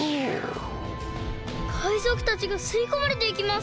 かいぞくたちがすいこまれていきます！